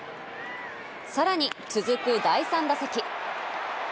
さらに続く第３打席。